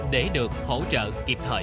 để được hỗ trợ kịp thời